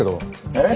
えっ？